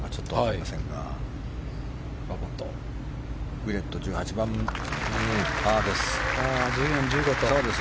ウィレット１８番、パーです。